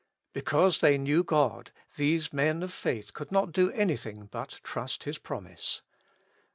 Because they knew God these men of faith could not do anything but trust His promise.